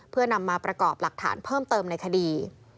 เพื่อนำมาประกอบหลักฐานเพิ่มเติมในคดี